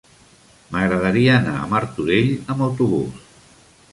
M'agradaria anar a Martorell amb autobús.